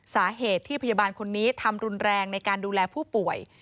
สาเหตุที่พยาบาลคนนี้ทำรุนแรงในการดูแลผู้ป่วย